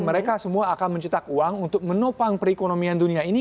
mereka semua akan mencetak uang untuk menopang perekonomian dunia ini